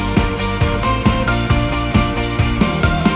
บ๊ายบาย